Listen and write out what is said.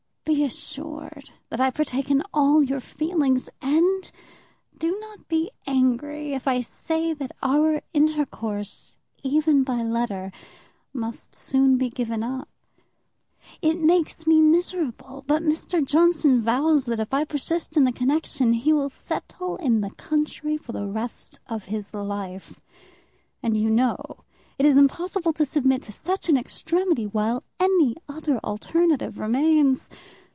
Be assured that I partake in all your feelings, and do not be angry if I say that our intercourse, even by letter, must soon be given up. It makes me miserable; but Mr. Johnson vows that if I persist in the connection, he will settle in the country for the rest of his life, and you know it is impossible to submit to such an extremity while any other alternative remains.